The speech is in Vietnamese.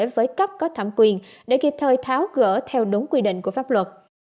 với cấp có thẩm quyền để kịp thời tháo gỡ theo đúng quy định của pháp luật